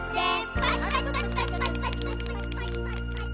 「パチパチパチパチ！」